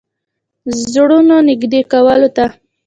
زړونو نېږدې کولو ته.